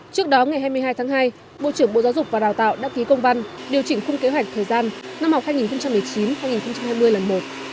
trước đó ngày hai mươi hai tháng hai bộ trưởng bộ giáo dục và đào tạo đã ký công văn điều chỉnh khung kế hoạch thời gian năm học hai nghìn một mươi chín hai nghìn hai mươi lần một